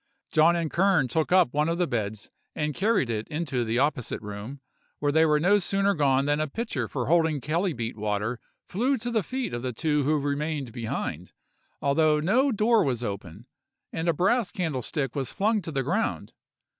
John and Kern took up one of the beds and carried it into the opposite room, but they were no sooner gone than a pitcher for holding chalybeate water flew to the feet of the two who remained behind, although no door was open, and a brass candlestick was flung to the ground.